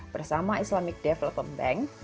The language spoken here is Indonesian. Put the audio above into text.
bersama islamic development bank